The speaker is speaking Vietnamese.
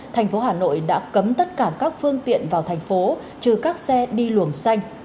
thành phố hà nội đã cấm tất cả các phương tiện vào thành phố trừ các xe đi luồng xanh